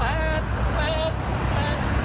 มีคลิปก่อนนะครับ